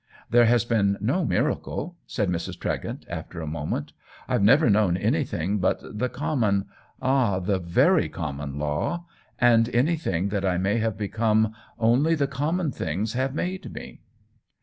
"There has been no miracle," said Mrs. Tregent, after a moment. " I Ve never known anything but the common, ah, the very com mon law, and anything that I may have become only the common things have made me."